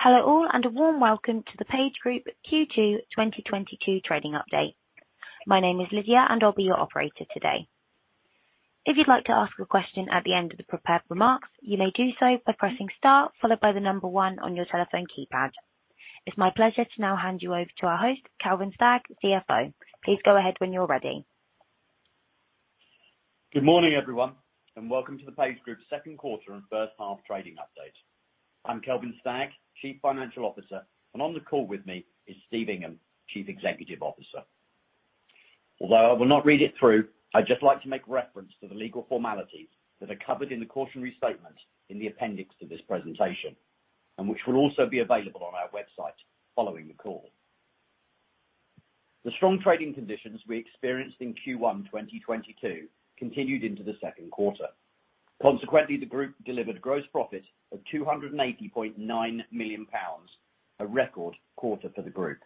Hello, all, and a warm welcome to the PageGroup Q2 2022 Trading Update. My name is Lydia, and I'll be your operator today. If you'd like to ask a question at the end of the prepared remarks, you may do so by pressing star followed by the number one on your telephone keypad. It's my pleasure to now hand you over to our host, Kelvin Stagg, CFO. Please go ahead when you're ready. Good morning, everyone, and welcome to the PageGroup second quarter and first half trading update. I'm Kelvin Stagg, Chief Financial Officer, and on the call with me is Steve Ingham, Chief Executive Officer. Although I will not read it through, I'd just like to make reference to the legal formalities that are covered in the cautionary statement in the appendix to this presentation, and which will also be available on our website following the call. The strong trading conditions we experienced in Q1 2022 continued into the second quarter. Consequently, the group delivered gross profit of 280.9 million pounds, a record quarter for the group.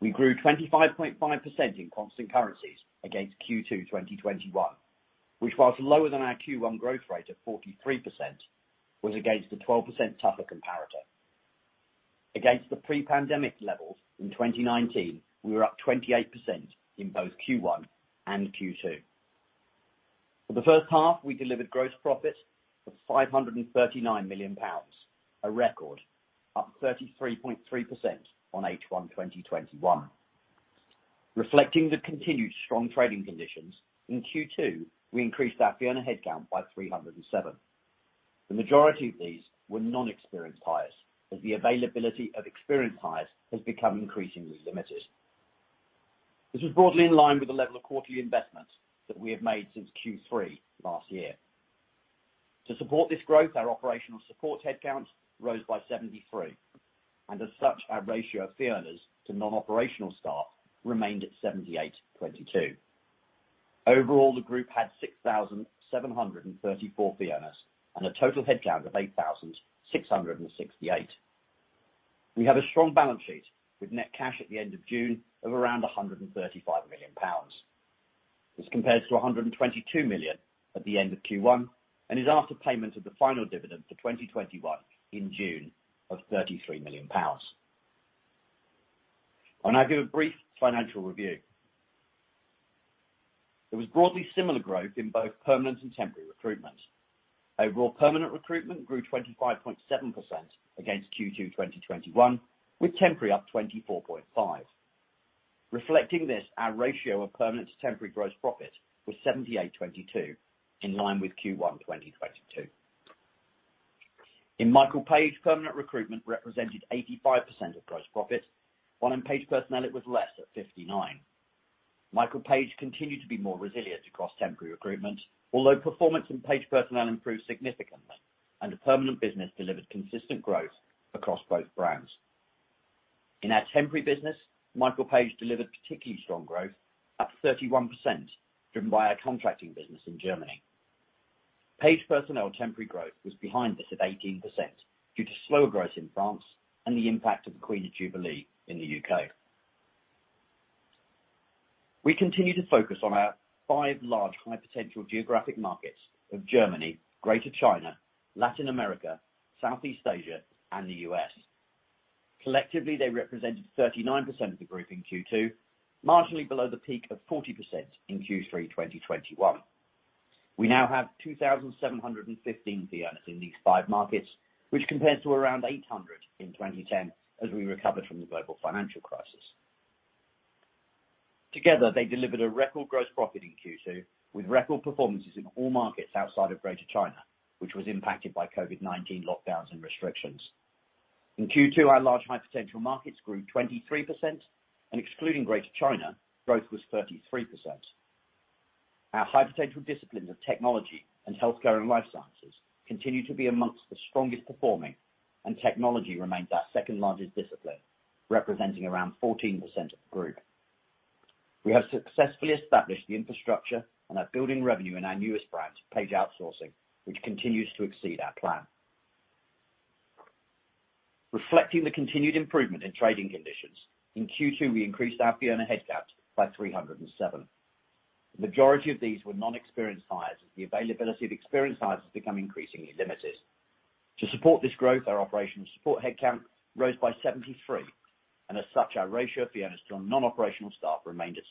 We grew 25.5% in constant currencies against Q2 2021, which was lower than our Q1 growth rate of 43% was against the 12% tougher comparator. Against the pre-pandemic levels in 2019, we were up 28% in both Q1 and Q2. For the first half, we delivered gross profit of 539 million pounds, a record up 33.3% on H1 2021. Reflecting the continued strong trading conditions, in Q2, we increased our fee earner headcount by 307. The majority of these were non-experienced hires, as the availability of experienced hires has become increasingly limited. This was broadly in line with the level of quarterly investment that we have made since Q3 last year. To support this growth, our operational support headcount rose by 73%, and as such, our ratio of fee earners to non-operational staff remained at 78.22%. Overall, the group had 6,734 fee earners and a total headcount of 8,668. We have a strong balance sheet with net cash at the end of June of around 135 million pounds. This compares to 122 million at the end of Q1 and is after payment of the final dividend for 2021 in June of GBP 33 million. I'll now give a brief financial review. There was broadly similar growth in both permanent and temporary recruitment. Overall, permanent recruitment grew 25.7% against Q2 2021, with temporary up 24.5%. Reflecting this, our ratio of permanent to temporary gross profit was 78.22%, in line with Q1 2022. In Michael Page, permanent recruitment represented 85% of gross profit, while in Page Personnel it was less, at 59%. Michael Page continued to be more resilient across temporary recruitment, although performance in Page Personnel improved significantly, and the permanent business delivered consistent growth across both brands. In our temporary business, Michael Page delivered particularly strong growth, up 31%, driven by our contracting business in Germany. Page Personnel temporary growth was behind this, at 18%, due to slower growth in France and the impact of the Queen's Jubilee in the U.K. We continue to focus on our five large high-potential geographic markets of Germany, Greater China, Latin America, Southeast Asia, and the U.S. Collectively, they represented 39% of the group in Q2, marginally below the peak of 40% in Q3 2021. We now have 2,715 fee earners in these five markets, which compares to around 800 in 2010 as we recovered from the global financial crisis. Together, they delivered a record gross profit in Q2, with record performances in all markets outside of Greater China, which was impacted by COVID-19 lockdowns and restrictions. In Q2, our large high potential markets grew 23%, and excluding Greater China, growth was 33%. Our high potential disciplines of technology and healthcare and life sciences continue to be among the strongest performing, and technology remains our second-largest discipline, representing around 14% of the group. We have successfully established the infrastructure and are building revenue in our newest brand, Page Outsourcing, which continues to exceed our plan. Reflecting the continued improvement in trading conditions, in Q2 we increased our fee earner headcount by 307. The majority of these were non-experienced hires as the availability of experienced hires has become increasingly limited. To support this growth, our operational support headcount rose by 73%, and as such, our ratio of fee earners to our non-operational staff remained at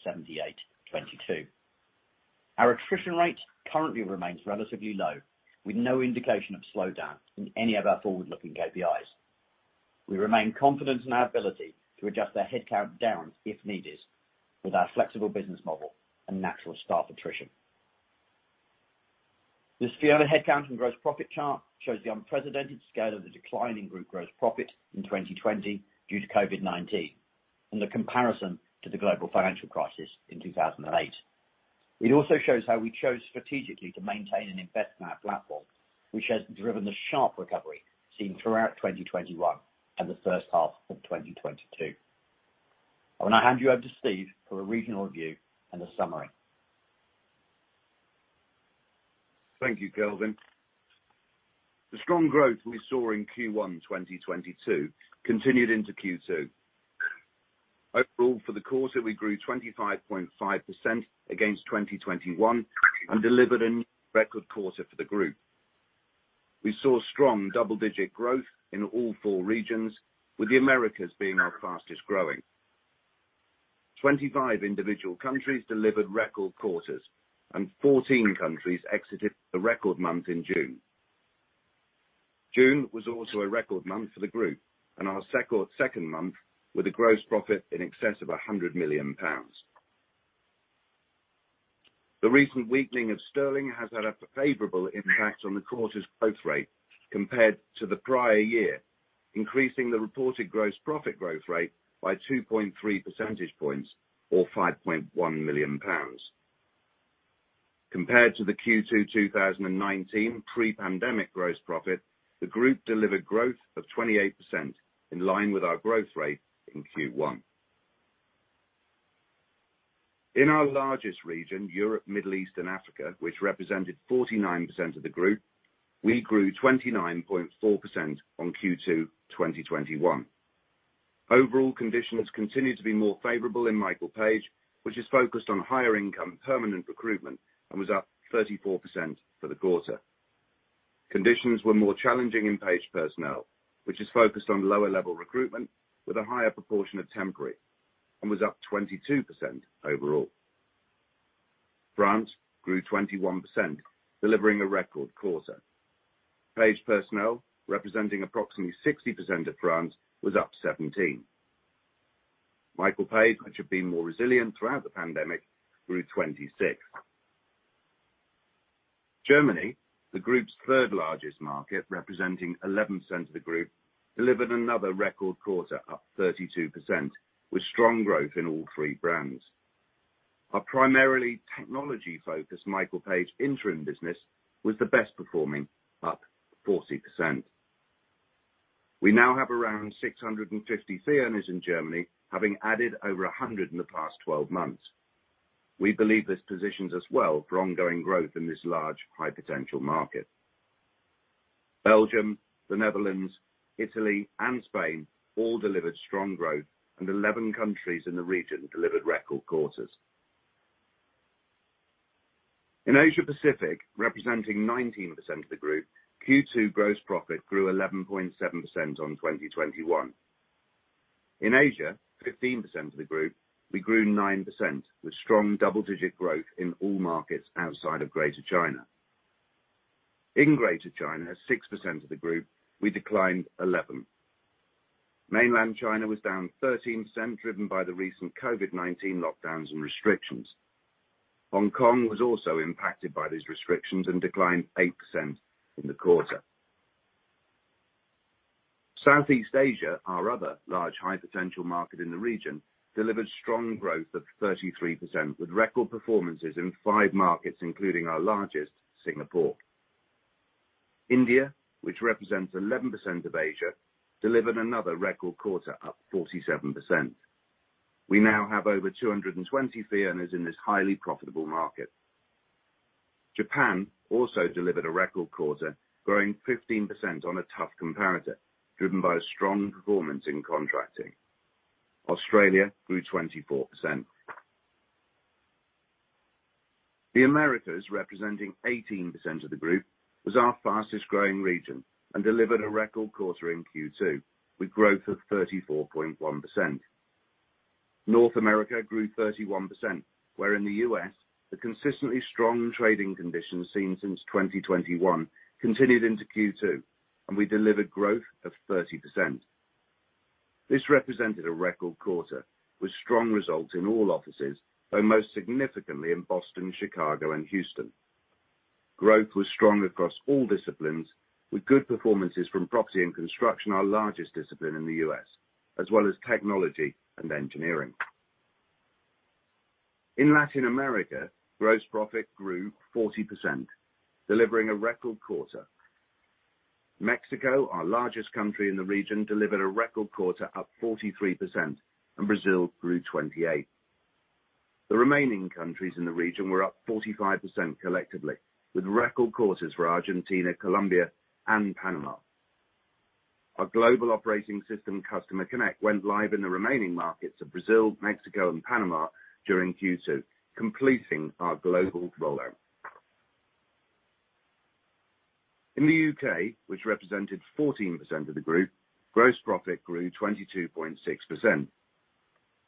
78.22%. Our attrition rate currently remains relatively low, with no indication of slowdown in any of our forward-looking KPIs. We remain confident in our ability to adjust our headcount down if needed with our flexible business model and natural staff attrition. This fee earner headcount and gross profit chart shows the unprecedented scale of the decline in group gross profit in 2020 due to COVID-19 and the comparison to the global financial crisis in 2008. It also shows how we chose strategically to maintain and invest in our platform, which has driven the sharp recovery seen throughout 2021 and the first half of 2022. I will now hand you over to Steve for a regional view and a summary. Thank you, Kelvin. The strong growth we saw in Q1 2022 continued into Q2. Overall, for the quarter, we grew 25.5% against 2021 and delivered a new record quarter for the group. We saw strong double-digit growth in all four regions, with the Americas being our fastest-growing. 25 individual countries delivered record quarters, and 14 countries exited the record month in June. June was also a record month for the group and our second month with a gross profit in excess of 100 million pounds. The recent weakening of sterling has had a favorable impact on the quarter's growth rate compared to the prior year, increasing the reported gross profit growth rate by 2.3 percentage points or 5.1 million pounds. Compared to the Q2 2019 pre-pandemic gross profit, the group delivered growth of 28% in line with our growth rate in Q1. In our largest region, Europe, Middle East, and Africa, which represented 49% of the group, we grew 29.4% in Q2 2021. Overall conditions continued to be more favorable in Michael Page, which is focused on higher income permanent recruitment and was up 34% for the quarter. Conditions were more challenging in Page Personnel, which is focused on lower-level recruitment with a higher proportion of temporary and was up 22% overall. France grew 21%, delivering a record quarter. Page Personnel, representing approximately 60% of France, was up 17%. Michael Page, which had been more resilient throughout the pandemic, grew 26%. Germany, the group's third-largest market, representing 11% of the group, delivered another record quarter, up 32%, with strong growth in all three brands. Our primarily technology-focused Michael Page interim business was the best performing, up 40%. We now have around 650 fee earners in Germany, having added over 100 in the past 12 months. We believe this positions us well for ongoing growth in this large, high potential market. Belgium, the Netherlands, Italy, and Spain all delivered strong growth, and 11 countries in the region delivered record quarters. In Asia Pacific, representing 19% of the group, Q2 gross profit grew 11.7% on 2021. In Asia, 15% of the group, we grew 9% with strong double-digit growth in all markets outside of Greater China. In Greater China, 6% of the group, we declined 11%. Mainland China was down 13%, driven by the recent COVID-19 lockdowns and restrictions. Hong Kong was also impacted by these restrictions and declined 8% in the quarter. Southeast Asia, our other large high potential market in the region, delivered strong growth of 33% with record performances in five markets, including our largest, Singapore. India, which represents 11% of Asia, delivered another record quarter, up 47%. We now have over 220 fee earners in this highly profitable market. Japan also delivered a record quarter, growing 15% on a tough comparator, driven by a strong performance in contracting. Australia grew 24%. The Americas, representing 18% of the group, was our fastest-growing region and delivered a record quarter in Q2 with growth of 34.1%. North America grew 31%, where in the U.S., the consistently strong trading conditions seen since 2021 continued into Q2, and we delivered growth of 30%. This represented a record quarter with strong results in all offices, but most significantly in Boston, Chicago, and Houston. Growth was strong across all disciplines with good performances from property and construction, our largest discipline in the U.S., as well as technology and engineering. In Latin America, gross profit grew 40%, delivering a record quarter. Mexico, our largest country in the region, delivered a record quarter up 43%, and Brazil grew 28%. The remaining countries in the region were up 45% collectively, with record quarters for Argentina, Colombia, and Panama. Our global operating system, Customer Connect, went live in the remaining markets of Brazil, Mexico, and Panama during Q2, completing our global rollout. In the U.K., which represented 14% of the group, gross profit grew 22.6%.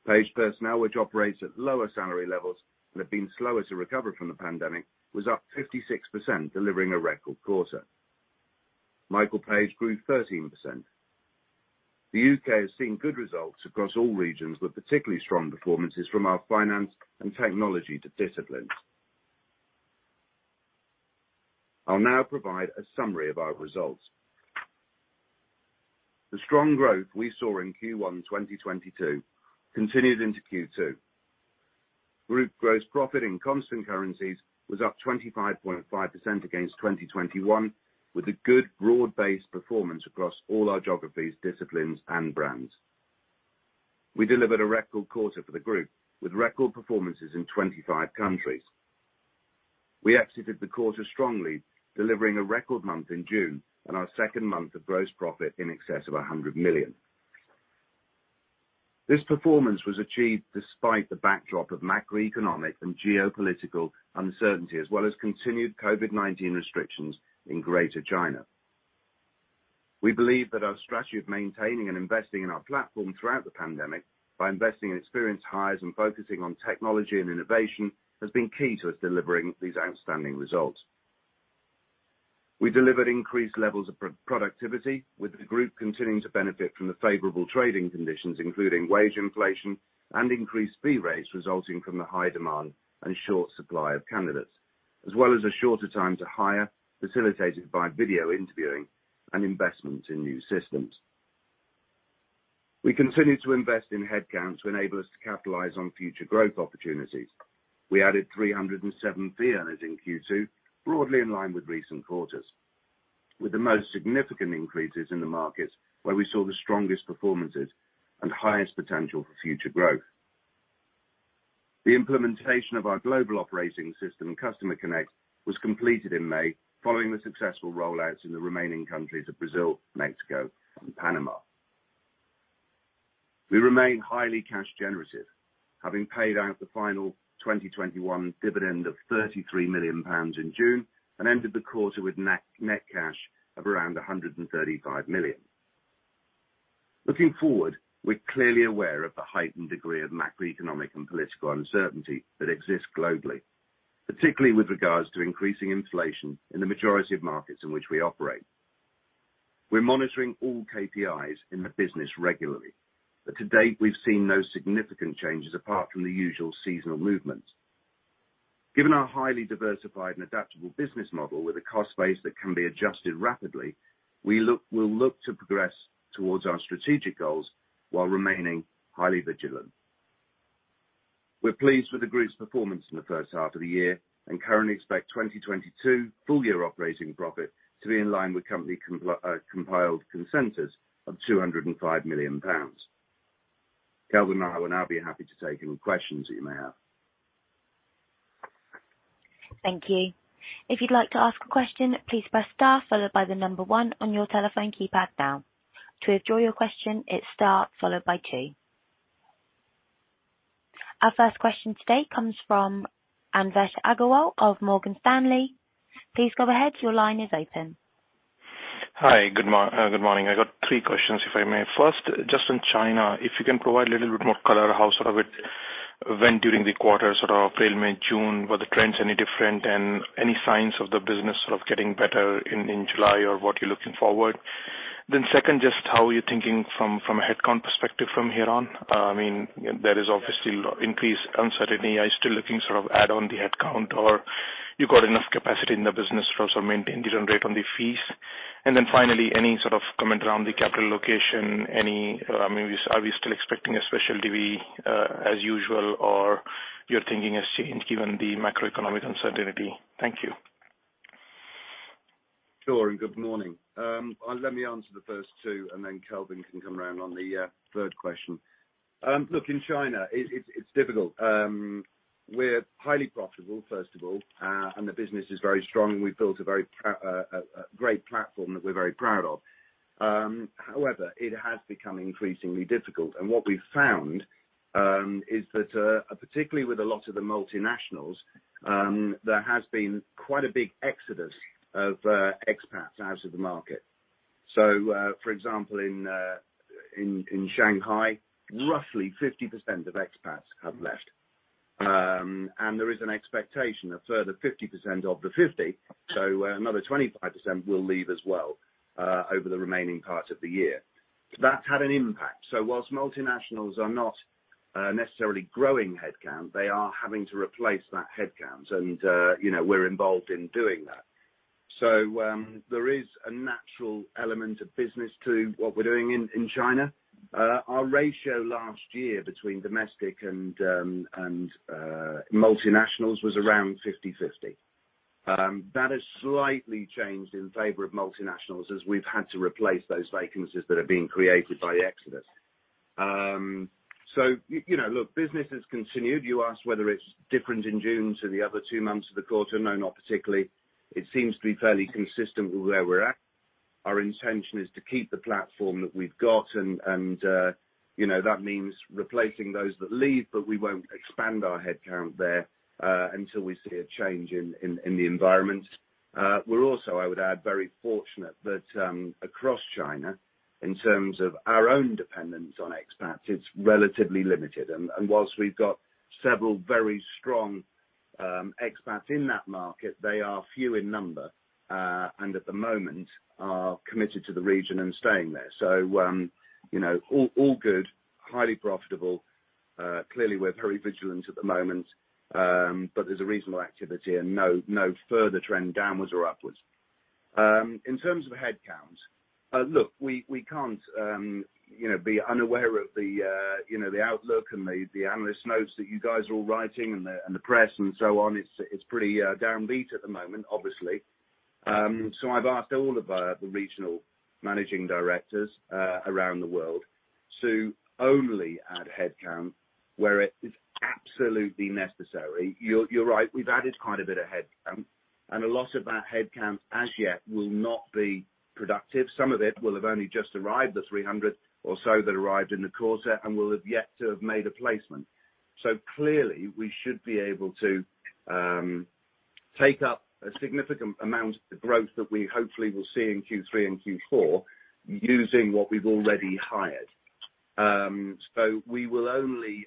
Page Personnel, which operates at lower salary levels and have been slower to recover from the pandemic, was up 56%, delivering a record quarter. Michael Page grew 13%. The U.K. has seen good results across all regions with particularly strong performances from our finance and technology disciplines. I'll now provide a summary of our results. The strong growth we saw in Q1 2022 continued into Q2. Group gross profit in constant currencies was up 25.5% against 2021, with a good broad-based performance across all our geographies, disciplines, and brands. We delivered a record quarter for the group with record performances in 25 countries. We exited the quarter strongly, delivering a record month in June and our second month of gross profit in excess of 100 million. This performance was achieved despite the backdrop of macroeconomic and geopolitical uncertainty, as well as continued COVID-19 restrictions in Greater China. We believe that our strategy of maintaining and investing in our platform throughout the pandemic by investing in experienced hires and focusing on technology and innovation has been key to us delivering these outstanding results. We delivered increased levels of productivity with the group continuing to benefit from the favorable trading conditions, including wage inflation and increased fee rates resulting from the high demand and short supply of candidates, as well as a shorter time to hire, facilitated by video interviewing and investments in new systems. We continue to invest in headcounts to enable us to capitalize on future growth opportunities. We added 307 fee earners in Q2, broadly in line with recent quarters, with the most significant increases in the markets where we saw the strongest performances and highest potential for future growth. The implementation of our global operating system, Customer Connect, was completed in May, following the successful rollouts in the remaining countries of Brazil, Mexico, and Panama. We remain highly cash generative, having paid out the final 2021 dividend of GBP 33 million in June and ended the quarter with net cash of around 135 million. Looking forward, we're clearly aware of the heightened degree of macroeconomic and political uncertainty that exists globally, particularly with regards to increasing inflation in the majority of markets in which we operate. We're monitoring all KPIs in the business regularly, but to date, we've seen no significant changes apart from the usual seasonal movements. Given our highly diversified and adaptable business model with a cost base that can be adjusted rapidly, we'll look to progress towards our strategic goals while remaining highly vigilant. We're pleased with the group's performance in the first half of the year and currently expect 2022 full year operating profit to be in line with company compiled consensus of 205 million pounds. Kelvin and I will now be happy to take any questions that you may have. Thank you. If you'd like to ask a question, please press star followed by the number one on your telephone keypad now. To withdraw your question, it's star followed by two. Our first question today comes from Anvesh Agrawal of Morgan Stanley. Please go ahead. Your line is open. Hi. Good morning. I got three questions, if I may. First, just on China, if you can provide a little bit more color how sort of it went during the quarter, sort of April, May, June. Were the trends any different and any signs of the business sort of getting better in July or what you're looking forward? Then second, just how are you thinking from a headcount perspective from here on? I mean, there is obviously increased uncertainty. Are you still looking sort of add on the headcount or you got enough capacity in the business to also maintain the run rate on the fees? And then finally, any sort of comment around the capital allocation, any, I mean are we still expecting a special divvy as usual, or your thinking has changed given the macroeconomic uncertainty? Thank you. Sure, good morning. Let me answer the first two, and then Kelvin can come around on the third question. Look, in China, it's difficult. We're highly profitable, first of all, and the business is very strong. We've built a great platform that we're very proud of. However, it has become increasingly difficult. What we've found is that, particularly with a lot of the multinationals, there has been quite a big exodus of expats out of the market. For example, in Shanghai, roughly 50% of expats have left. There is an expectation a further 50% of the 50%, so another 25% will leave as well, over the remaining part of the year. That's had an impact. While multinationals are not necessarily growing headcount, they are having to replace that headcount and, you know, we're involved in doing that. There is a natural element of business to what we're doing in China. Our ratio last year between domestic and multinationals was around 50/50. That has slightly changed in favor of multinationals as we've had to replace those vacancies that are being created by exodus. You know, look, business has continued. You asked whether it's different in June to the other two months of the quarter. No, not particularly. It seems to be fairly consistent with where we're at. Our intention is to keep the platform that we've got and that means replacing those that leave, but we won't expand our headcount there until we see a change in the environment. We're also, I would add, very fortunate that across China, in terms of our own dependence on expats, it's relatively limited. While we've got several very strong expats in that market, they are few in number and at the moment are committed to the region and staying there. All good, highly profitable. Clearly we're very vigilant at the moment, but there's a reasonable activity and no further trend downwards or upwards. In terms of headcount, look, we can't, you know, be unaware of the, you know, the outlook and the analyst notes that you guys are all writing and the press and so on. It's pretty downbeat at the moment, obviously. I've asked all of our regional managing directors around the world to only add headcount where it is absolutely necessary. You're right, we've added quite a bit of headcount and a lot of that headcount as yet will not be productive. Some of it will have only just arrived, the 300 or so that arrived in the quarter and will have yet to have made a placement. Clearly we should be able to take up a significant amount of the growth that we hopefully will see in Q3 and Q4 using what we've already hired. We will only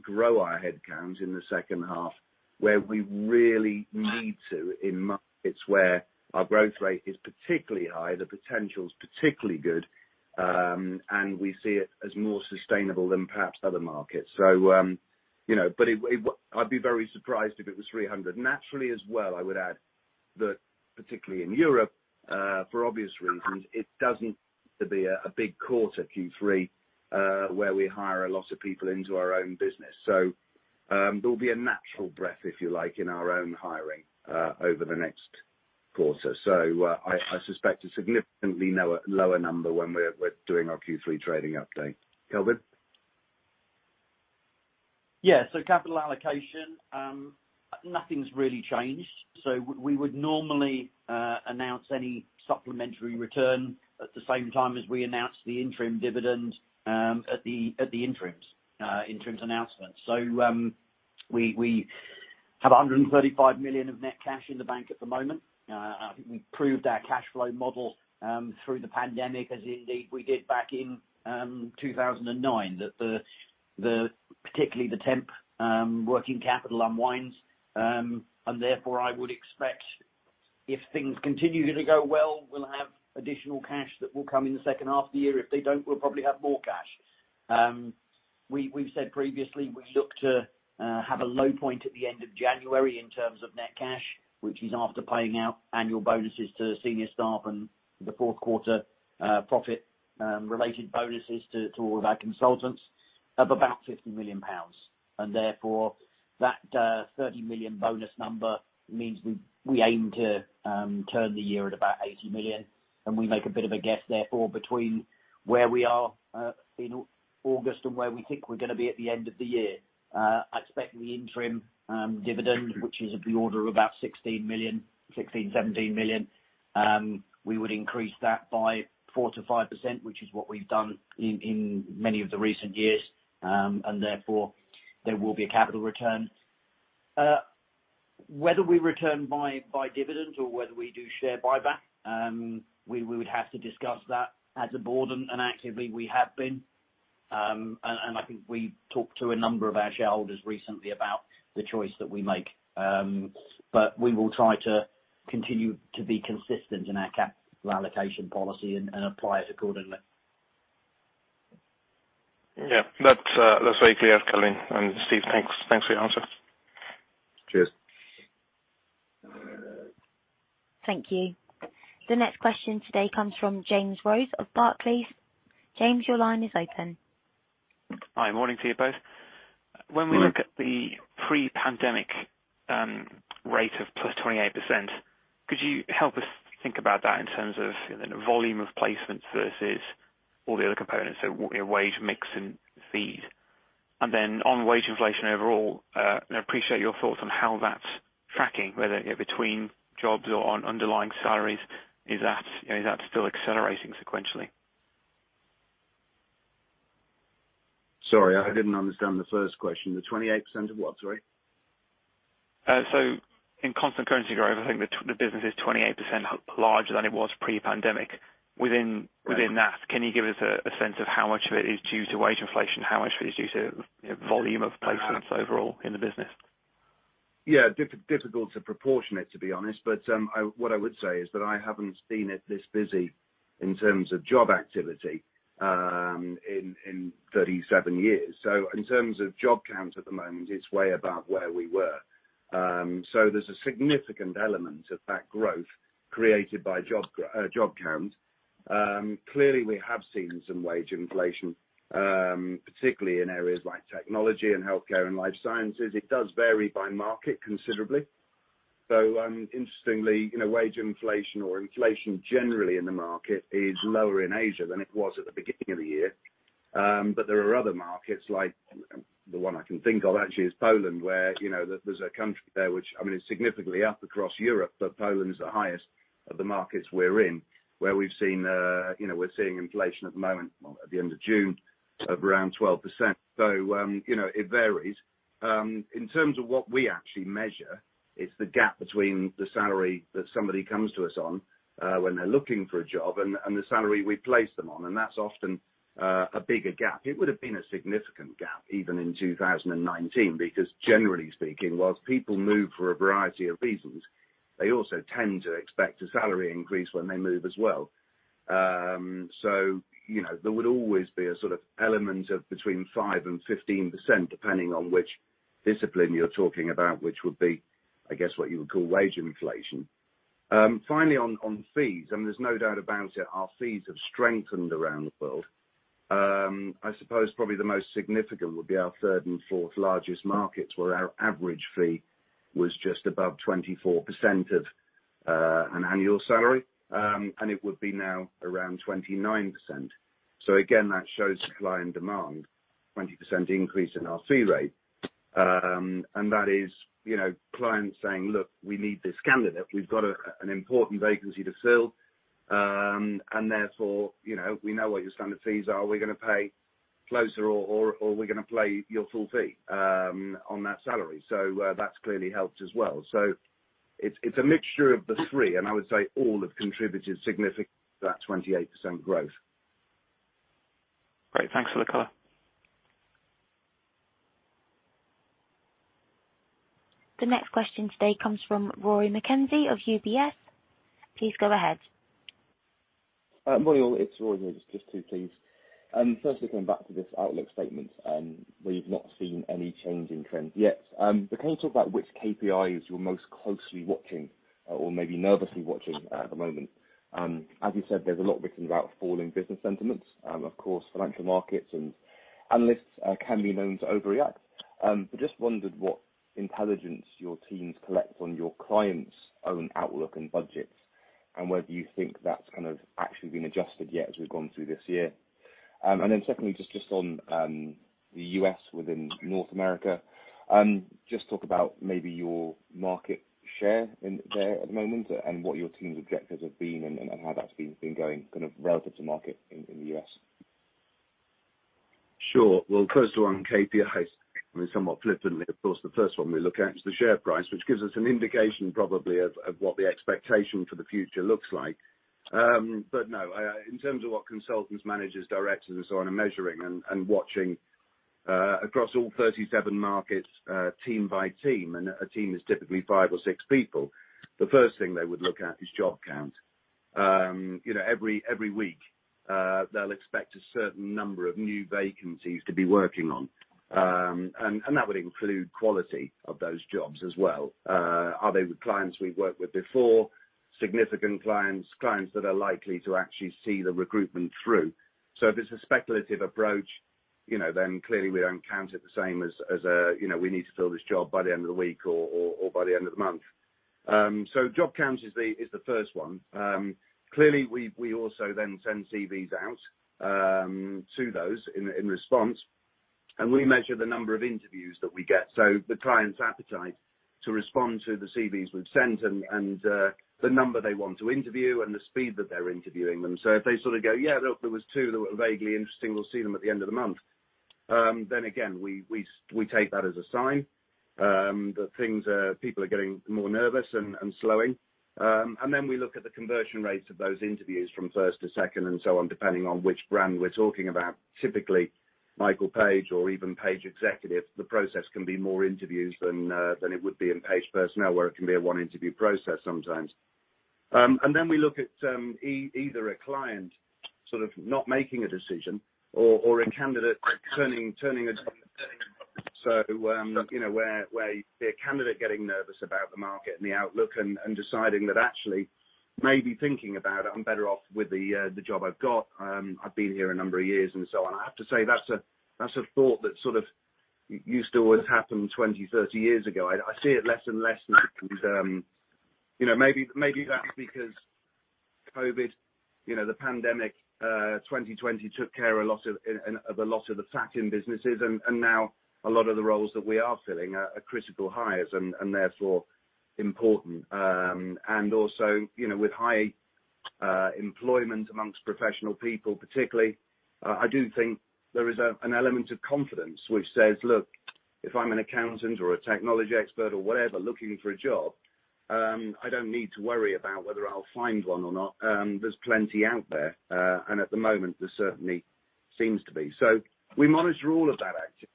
grow our headcount in the second half where we really need to in markets where our growth rate is particularly high, the potential is particularly good, and we see it as more sustainable than perhaps other markets. You know, I'd be very surprised if it was 300. Naturally as well, I would add that particularly in Europe, for obvious reasons, it doesn't need to be a big quarter, Q3, where we hire a lot of people into our own business. There'll be a natural breather, if you like, in our own hiring over the next quarter. I suspect a significantly lower number when we're doing our Q3 trading update. Kelvin? Yeah. Capital allocation, nothing's really changed. We would normally announce any supplementary return at the same time as we announce the interim dividend at the interims announcement. We have 135 million of net cash in the bank at the moment. I think we proved our cash flow model through the pandemic as indeed we did back in 2009. Particularly the temp working capital unwinds, and therefore I would expect if things continue to go well, we'll have additional cash that will come in the second half of the year. If they don't, we'll probably have more cash. We've said previously, we look to have a low point at the end of January in terms of net cash, which is after paying out annual bonuses to senior staff and the fourth quarter profit related bonuses to all of our consultants of about 50 million pounds. Therefore that 30 million bonus number means we aim to turn the year at about 80 million and we make a bit of a guess therefore between where we are in August and where we think we're gonna be at the end of the year. I expect the interim dividend, which is of the order of about 16 million-17 million, we would increase that by 4%-5%, which is what we've done in many of the recent years. Therefore there will be a capital return. Whether we return by dividend or whether we do share buyback, we would have to discuss that as a board and actively we have been. I think we talked to a number of our shareholders recently about the choice that we make. We will try to continue to be consistent in our capital allocation policy and apply it accordingly. Yeah. That's very clear, Kelvin. Steve, thanks for your answer. Cheers. Thank you. The next question today comes from James Rose of Barclays. James, your line is open. Hi, morning to you both. Morning. When we look at the pre-pandemic rate of +28%, could you help us think about that in terms of, you know, the volume of placements versus all the other components, so you know, wage mix and fees? On wage inflation overall, I appreciate your thoughts on how that's tracking, whether between jobs or on underlying salaries, is that still accelerating sequentially? Sorry, I didn't understand the first question. The 28% of what, sorry? In constant currency growth, I think the business is 28% larger than it was pre-pandemic. Within- Right. Within that, can you give us a sense of how much of it is due to wage inflation? How much of it is due to, you know, volume of placements overall in the business? Yeah. Difficult to apportion it, to be honest, but what I would say is that I haven't seen it this busy in terms of job activity in 37 years. In terms of job count at the moment, it's way above where we were. There's a significant element of that growth created by job count. Clearly we have seen some wage inflation, particularly in areas like technology and healthcare and life sciences. It does vary by market considerably. Interestingly, you know, wage inflation or inflation generally in the market is lower in Asia than it was at the beginning of the year. There are other markets like, the one I can think of actually is Poland, where, you know, there's a country there which, I mean, it's significantly up across Europe, but Poland is the highest of the markets we're in, where we've seen, you know, we're seeing inflation at the moment, well, at the end of June, of around 12%. You know, it varies. In terms of what we actually measure, it's the gap between the salary that somebody comes to us on when they're looking for a job and the salary we place them on, and that's often a bigger gap. It would have been a significant gap even in 2019, because generally speaking, whilst people move for a variety of reasons, they also tend to expect a salary increase when they move as well. You know, there would always be a sort of element of between 5% and 15%, depending on which discipline you're talking about, which would be, I guess, what you would call wage inflation. Finally on fees, there's no doubt about it, our fees have strengthened around the world. I suppose probably the most significant would be our third and fourth largest markets, where our average fee was just above 24% of an annual salary. It would be now around 29%. Again, that shows client demand, 20% increase in our fee rate. That is, you know, clients saying, "Look, we need this candidate. We've got an important vacancy to fill, and therefore, you know, we know what your standard fees are. Are we gonna pay gross or are we gonna pay your full fee on that salary?" That's clearly helped as well. It's a mixture of the three, and I would say all have contributed significantly to that 28% growth. Great. Thanks for the color. The next question today comes from Rory McKenzie of UBS. Please go ahead. Good morning, all. It's Rory here. Just two, please. Firstly, going back to this outlook statement, where you've not seen any change in trends yet. Can you talk about which KPIs you're most closely watching or maybe nervously watching at the moment? As you said, there's a lot written about falling business sentiments. Of course, financial markets and analysts can be known to overreact. Just wondered what intelligence your teams collect on your clients' own outlook and budgets, and whether you think that's kind of actually been adjusted yet as we've gone through this year. Secondly, just on the U.S. within North America, just talk about maybe your market share in there at the moment and what your team's objectives have been and how that's been going kind of relative to market in the U.S. Sure. Well, first one, KPIs. I mean, somewhat flippantly, of course, the first one we look at is the share price, which gives us an indication probably of what the expectation for the future looks like. No, in terms of what consultants, managers, directors and so on are measuring and watching across all 37 markets, team by team, and a team is typically five or six people, the first thing they would look at is job count. You know, every week, they'll expect a certain number of new vacancies to be working on. That would include quality of those jobs as well. Are they with clients we've worked with before, significant clients that are likely to actually see the recruitment through? If it's a speculative approach, you know, then clearly we don't count it the same as you know, we need to fill this job by the end of the week or by the end of the month. Job count is the first one. Clearly we also then send CVs out to those in response, and we measure the number of interviews that we get. The client's appetite to respond to the CVs we've sent and the number they want to interview and the speed that they're interviewing them. If they sort of go, "Yeah, there was two that were vaguely interesting. We'll see them at the end of the month," then again, we take that as a sign that things are. People are getting more nervous and slowing. We look at the conversion rates of those interviews from first to second and so on, depending on which brand we're talking about. Typically Michael Page or even Page Executive, the process can be more interviews than it would be in Page Personnel, where it can be a one interview process sometimes. We look at either a client sort of not making a decision or a candidate turning a. You know, where the candidate getting nervous about the market and the outlook and deciding that actually maybe thinking about it, I'm better off with the job I've got. I've been here a number of years and so on. I have to say that's a thought that sort of used to always happen 20, 30 years ago. I see it less and less now. You know, maybe that's because COVID, the pandemic, 2020 took care of a lot of the fat in businesses and now a lot of the roles that we are filling are critical hires and therefore important. Also, you know, with high employment among professional people particularly, I do think there is an element of confidence which says, "Look, if I'm an accountant or a technology expert or whatever, looking for a job, I don't need to worry about whether I'll find one or not, there's plenty out there." At the moment, there certainly seems to be. We monitor all of that activity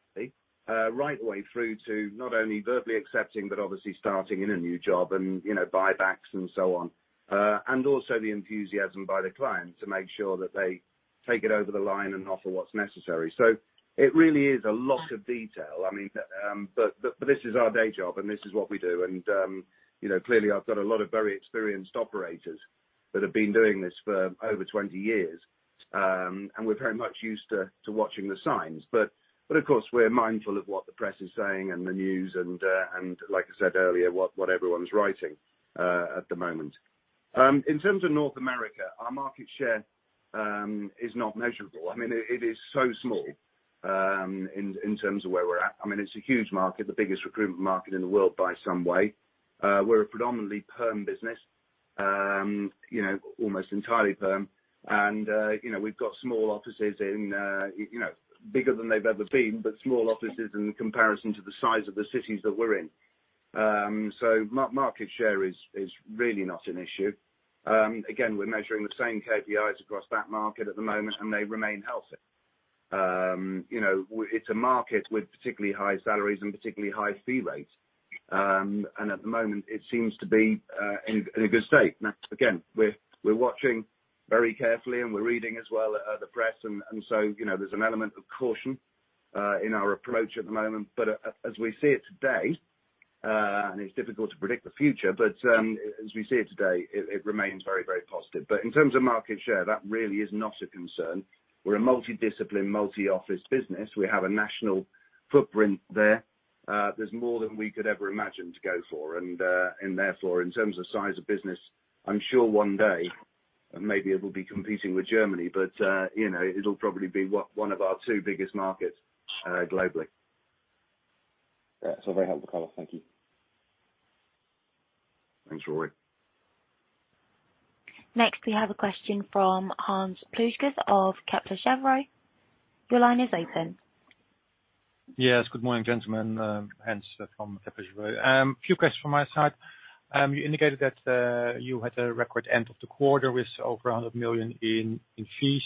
right the way through to not only verbally accepting, but obviously starting in a new job and, you know, buybacks and so on. Also the enthusiasm by the client to make sure that they take it over the line and offer what's necessary. It really is a lot of detail. I mean, this is our day job and this is what we do. You know, clearly I've got a lot of very experienced operators that have been doing this for over 20 years, and we're very much used to watching the signs. Of course, we're mindful of what the press is saying and the news and, like I said earlier, what everyone's writing at the moment. In terms of North America, our market share is not measurable. I mean, it is so small in terms of where we're at. I mean, it's a huge market, the biggest recruitment market in the world by some way. We're a predominantly perm business, you know, almost entirely perm. You know, we've got small offices in, you know, bigger than they've ever been, but small offices in comparison to the size of the cities that we're in. Market share is really not an issue. Again, we're measuring the same KPIs across that market at the moment, and they remain healthy. You know, it's a market with particularly high salaries and particularly high fee rates. At the moment it seems to be in a good state. Now, again, we're watching very carefully, and we're reading as well the press and so, you know, there's an element of caution in our approach at the moment. As we see it today, and it's difficult to predict the future, but as we see it today, it remains very, very positive. In terms of market share, that really is not a concern. We're a multi-discipline, multi-office business. We have a national footprint there. There's more than we could ever imagine to go for. Therefore, in terms of size of business, I'm sure one day, maybe it will be competing with Germany, but you know, it'll probably be one of our two biggest markets globally. Yeah. It's very helpful color. Thank you. Thanks, Rory. Next, we have a question from Hans Pluijgers of Kepler Cheuvreux. Your line is open. Yes. Good morning, gentlemen. Hans Pluijgers from Kepler Cheuvreux. Few questions from my side. You indicated that you had a record end of the quarter with over 100 million in fees.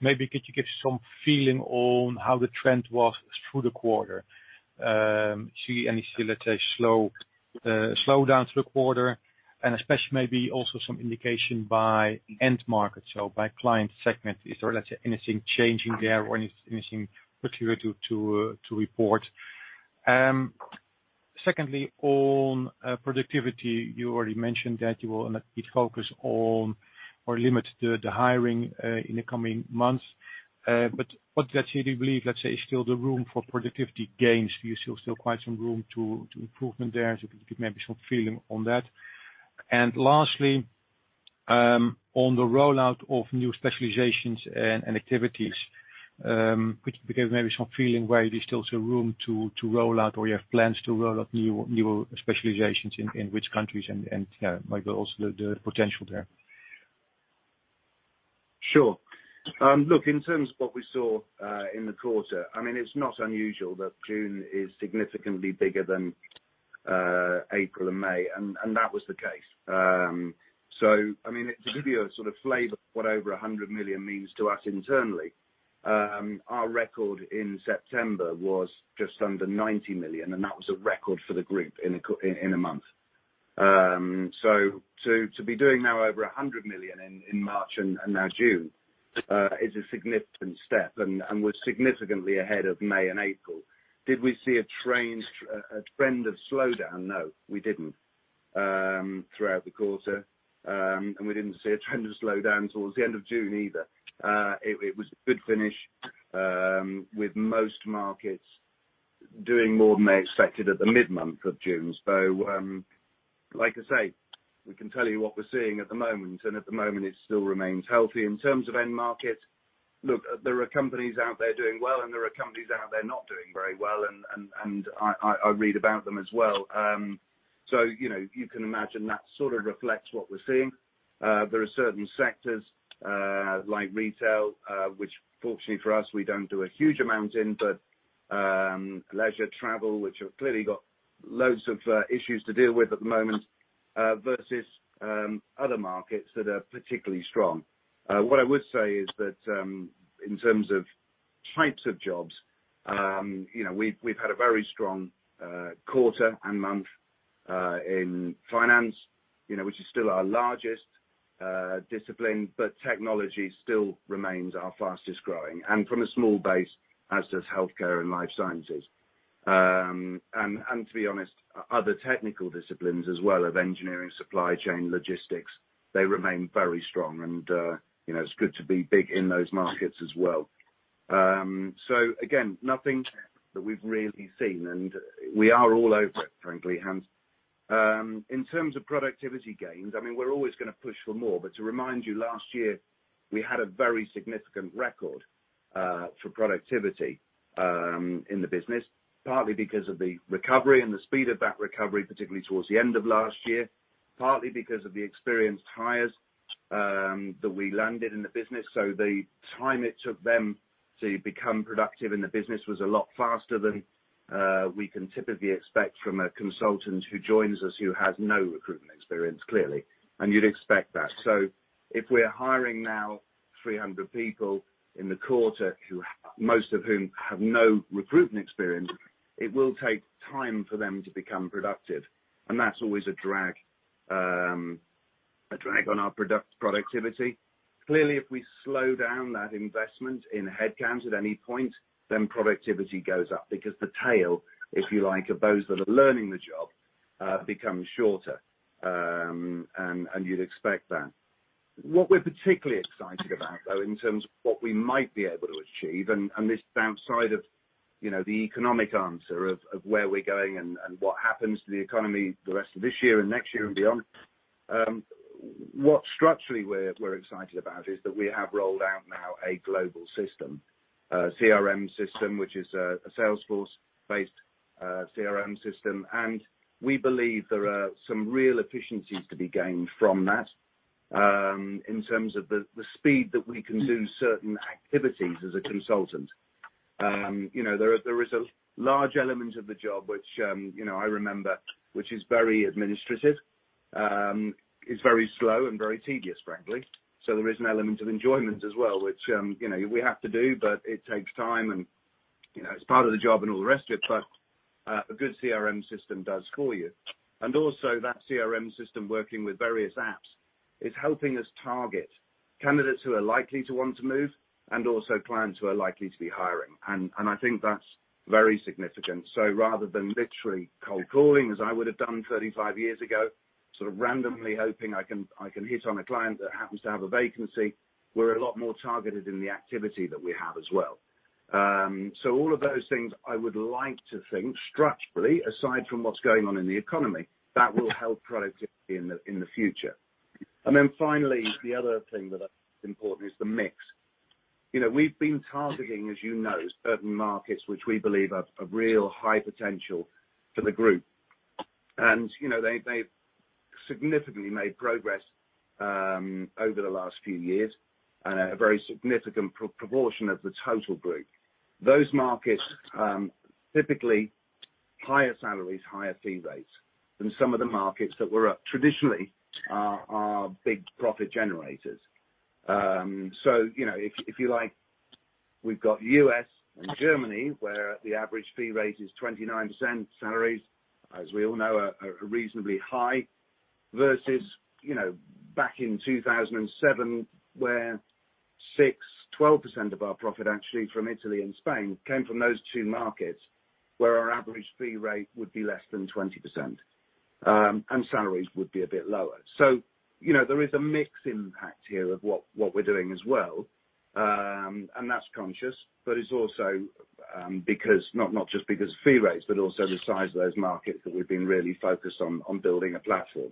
Maybe could you give some feeling on how the trend was through the quarter? See any, let's say, slow slowdown through the quarter, and especially maybe also some indication by end market, so by client segment. Is there, let's say, anything changing there or anything particular to report? Secondly, on productivity, you already mentioned that you will not be focused on or limit the hiring in the coming months. What does HD believe, let's say, is still the room for productivity gains? Do you see still quite some room to improvement there? If you could maybe some feeling on that. Lastly, on the rollout of new specializations and activities, could you give maybe some feeling where there's still some room to roll out, or you have plans to roll out new specializations in which countries and, you know, maybe also the potential there? Sure. Look, in terms of what we saw in the quarter, I mean, it's not unusual that June is significantly bigger than April and May, and that was the case. I mean, to give you a sort of flavor of what over 100 million means to us internally, our record in September was just under 90 million, and that was a record for the group in a month. To be doing now over 100 million in March and now June is a significant step and was significantly ahead of May and April. Did we see a trend of slowdown? No, we didn't throughout the quarter. We didn't see a trend of slowdown towards the end of June either. It was a good finish with most markets doing more than they expected at the mid-month of June. Like I say, we can tell you what we're seeing at the moment, and at the moment it still remains healthy. In terms of end market, look, there are companies out there doing well, and there are companies out there not doing very well, and I read about them as well. You know, you can imagine that sort of reflects what we're seeing. There are certain sectors like retail, which fortunately for us, we don't do a huge amount in, but leisure, travel, which have clearly got loads of issues to deal with at the moment, versus other markets that are particularly strong. What I would say is that in terms of types of jobs, you know, we've had a very strong quarter and month in finance, you know, which is still our largest discipline, but technology still remains our fastest-growing. From a small base, as does healthcare and life sciences. To be honest, other technical disciplines as well of engineering, supply chain, logistics, they remain very strong and you know, it's good to be big in those markets as well. Again, nothing that we've really seen, and we are all over it, frankly, Hans. In terms of productivity gains, I mean, we're always gonna push for more. To remind you, last year, we had a very significant record for productivity in the business, partly because of the recovery and the speed of that recovery, particularly towards the end of last year, partly because of the experienced hires that we landed in the business. The time it took them to become productive in the business was a lot faster than we can typically expect from a consultant who joins us who has no recruitment experience, clearly. You'd expect that. If we're hiring now 300 people in the quarter, most of whom have no recruitment experience, it will take time for them to become productive. That's always a drag on our productivity. Clearly, if we slow down that investment in headcounts at any point, then productivity goes up because the tail, if you like, of those that are learning the job, becomes shorter. You'd expect that. What we're particularly excited about, though, in terms of what we might be able to achieve, and this is outside of, you know, the economic answer of where we're going and what happens to the economy the rest of this year and next year and beyond, what structurally we're excited about is that we have rolled out now a global system, a CRM system, which is a Salesforce-based CRM system, and we believe there are some real efficiencies to be gained from that, in terms of the speed that we can do certain activities as a consultant. You know, there is a large element of the job which, you know, I remember, which is very administrative, is very slow and very tedious, frankly. There is an element of enjoyment as well, which, you know, we have to do, but it takes time and, you know, it's part of the job and all the rest of it, but a good CRM system does score you. Also that CRM system working with various apps. It's helping us target candidates who are likely to want to move and also clients who are likely to be hiring. I think that's very significant. Rather than literally cold calling, as I would have done 35 years ago, sort of randomly hoping I can hit on a client that happens to have a vacancy, we're a lot more targeted in the activity that we have as well. All of those things I would like to think structurally, aside from what's going on in the economy, that will help productivity in the future. Finally, the other thing that I think is important is the mix. You know, we've been targeting, as you know, certain markets, which we believe have a real high potential for the group. You know, they've significantly made progress over the last few years and a very significant proportion of the total group. Those markets, typically higher salaries, higher fee rates than some of the markets that were up traditionally are big profit generators. You know, if you like, we've got U.S. and Germany, where the average fee rate is 29%. Salaries, as we all know, are reasonably high versus, you know, back in 2007, where 12% of our profit actually from Italy and Spain came from those two markets, where our average fee rate would be less than 20%, and salaries would be a bit lower. You know, there is a mix impact here of what we're doing as well. That's conscious, but it's also because not just because fee rates, but also the size of those markets that we've been really focused on building a platform.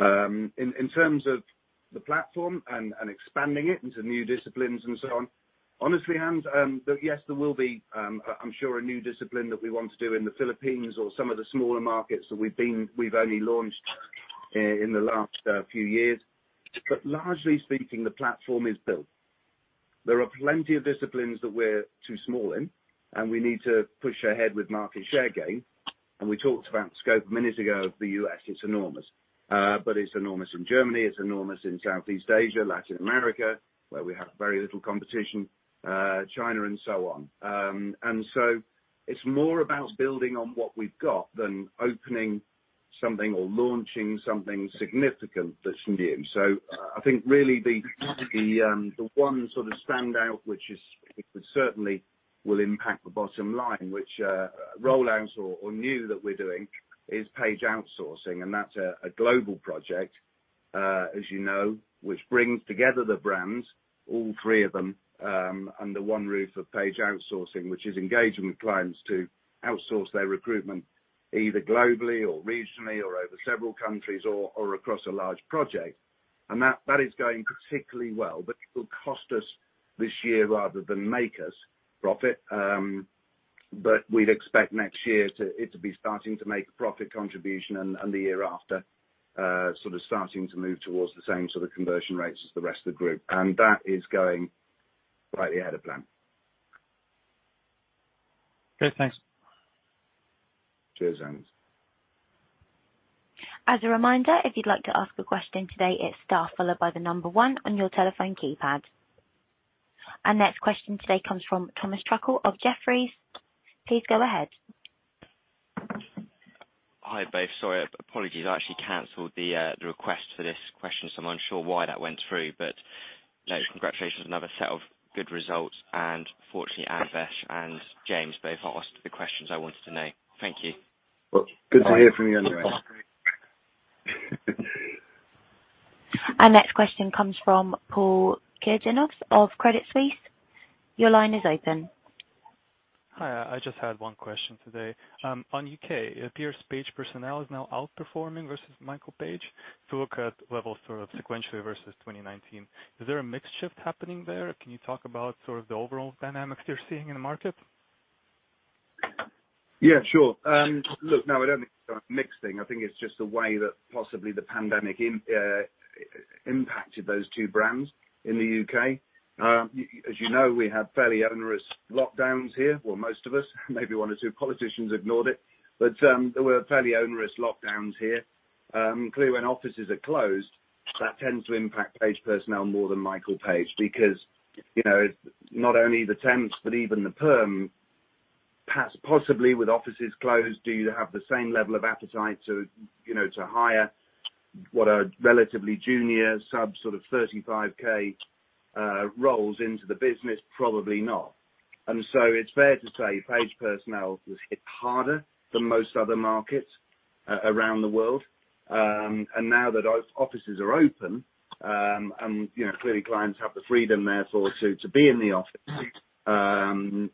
In terms of the platform and expanding it into new disciplines and so on. Honestly, Hans, yes, there will be, I'm sure a new discipline that we want to do in the Philippines or some of the smaller markets that we've only launched in the last few years. Largely speaking, the platform is built. There are plenty of disciplines that we're too small in, and we need to push ahead with market share gain. We talked about scope a minute ago of the U.S. It's enormous, but it's enormous in Germany, it's enormous in Southeast Asia, Latin America, where we have very little competition, China and so on. It's more about building on what we've got than opening something or launching something significant that's new. I think really the one sort of standout, which is it certainly will impact the bottom line, which rollouts or new that we're doing is Page Outsourcing, and that's a global project, as you know, which brings together the brands, all three of them, under one roof of Page Outsourcing, which is engaging with clients to outsource their recruitment, either globally or regionally or over several countries or across a large project. That is going particularly well. It will cost us this year rather than make us profit. We'd expect next year it to be starting to make a profit contribution and the year after sort of starting to move towards the same sort of conversion rates as the rest of the group. That is going rightly ahead of plan. Okay, thanks. Cheers, Hans. As a reminder, if you'd like to ask a question today, it's star followed by the number one on your telephone keypad. Our next question today comes from Tom Sherlock of Jefferies. Please go ahead. Hi, both. Sorry, apologies. I actually canceled the request for this question, so I'm unsure why that went through, but congratulations. Another set of good results. Fortunately, Anvesh and James both asked the questions I wanted to know. Thank you. Well, good to hear from you anyways. Our next question comes from Paul Kirjanovs of Credit Suisse. Your line is open. Hi. I just had one question today. On U.K., it appears Page Personnel is now outperforming versus Michael Page. If you look at levels sort of sequentially versus 2019, is there a mix shift happening there? Can you talk about sort of the overall dynamics you're seeing in the market? Yeah, sure. Look, no, I don't think it's sort of mixing. I think it's just the way that possibly the pandemic impacted those two brands in the U.K. As you know, we had fairly onerous lockdowns here. Well, most of us, maybe one or two politicians ignored it, but there were fairly onerous lockdowns here. Clearly, when offices are closed, that tends to impact Page Personnel more than Michael Page because, you know, not only the temps, but even the perm possibly with offices closed, do you have the same level of appetite to, you know, to hire what are relatively junior sub sort of 35K roles into the business? Probably not. It's fair to say Page Personnel was hit harder than most other markets around the world. Now that offices are open, you know, clearly clients have the freedom therefore to be in the office,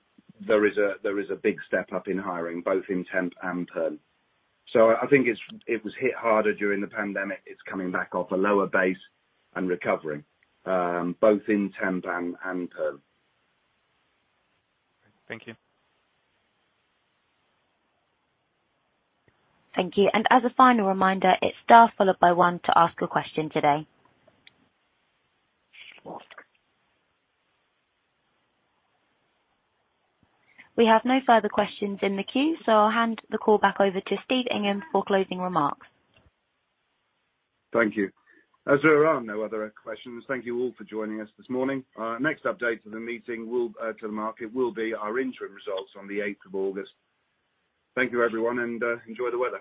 there is a big step up in hiring, both in temp and perm. I think it was hit harder during the pandemic. It's coming back off a lower base and recovering, both in temp and perm. Thank you. Thank you. As a final reminder, it's star followed by one to ask a question today. We have no further questions in the queue, so I'll hand the call back over to Steve Ingham for closing remarks. Thank you. As there are no other questions, thank you all for joining us this morning. Our next update to the market will be our interim results on the eighth of August. Thank you, everyone, and enjoy the weather.